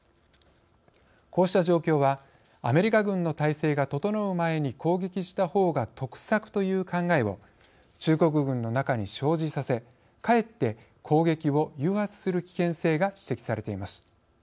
こうした状況はアメリカ軍の態勢が整う前に攻撃した方が得策という考えを中国軍の中に生じさせかえって攻撃を誘発する危険性が指摘されています。